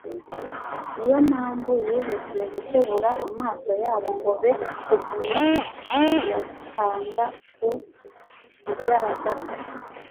Ni yo mpamvu yihutiye gukebura amaso yabo ngo be kugumya kuyahanga ku "bigaragara,"